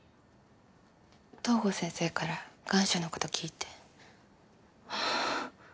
東郷先生から願書のこと聞いて。